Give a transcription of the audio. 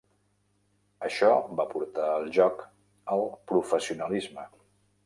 Això va portar el joc al professionalisme.